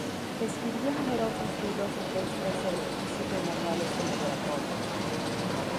Escribió numerosos libros de texto sobre física y manuales de laboratorio.